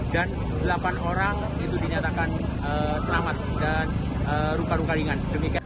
dan delapan orang itu dinyatakan selamat dan ruka ruka ringan